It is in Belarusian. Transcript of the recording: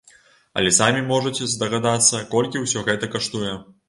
Але самі можаце здагадацца, колькі ўсё гэта каштуе.